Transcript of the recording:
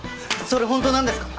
それ本当なんですか！？